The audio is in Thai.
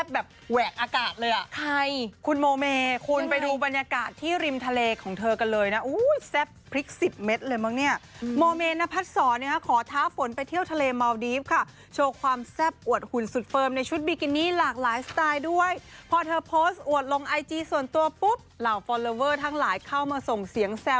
แบบแหวกอากาศเลยอ่ะใครคุณโมเมคุณไปดูบรรยากาศที่ริมทะเลของเธอกันเลยนะแซ่บพริกสิบเม็ดเลยมั้งเนี่ยโมเมนพัดศรเนี่ยขอท้าฝนไปเที่ยวทะเลเมาดีฟค่ะโชว์ความแซ่บอวดหุ่นสุดเฟิร์มในชุดบิกินี่หลากหลายสไตล์ด้วยพอเธอโพสต์อวดลงไอจีส่วนตัวปุ๊บเหล่าฟอลเลเวอร์ทั้งหลายเข้ามาส่งเสียงแซว